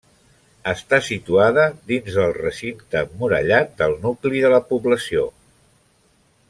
Està situada dins del recinte emmurallat del nucli de la població.